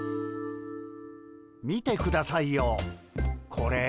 見てくださいよこれ。